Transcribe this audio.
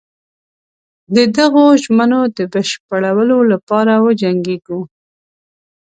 د دغو ژمنو د بشپړولو لپاره وجنګیږو.